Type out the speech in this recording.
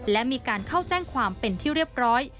และมีการเข้าแจ้งความเป็นที่เรียบร้อย